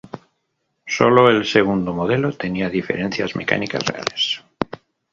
Sólo el segundo modelo tenía diferencias mecánicas reales.